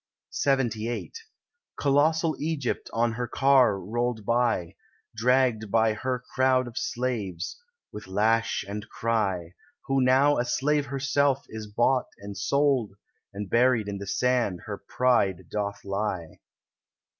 LXXVIII Colossal Egypt on her car rolled by, Dragged by her crowd of slaves, with lash and cry; Who now, a slave herself, is bought and sold, And buried in the sand her pride doth lie.